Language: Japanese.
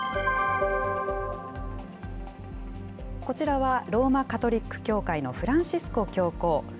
こちらはローマ・カトリック教会のフランシスコ教皇。